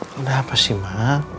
kenapa sih ma